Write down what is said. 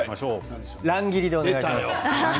乱切りでお願いします。